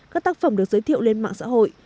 các tác phẩm được giới thiệu lên mạng xã hội